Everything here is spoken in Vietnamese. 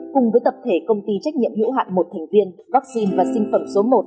cùng với tập thể công ty trách nhiệm hữu hạn một thành viên vaccine và sinh phẩm số một